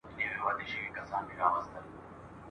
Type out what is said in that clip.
که مرغه وو که ماهی د ده په کار وو !.